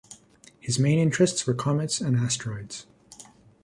His main interests were comets and asteroids.